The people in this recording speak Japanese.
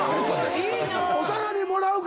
お下がりもらうから。